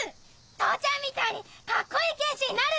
父ちゃんみたいにカッコいい剣士になる！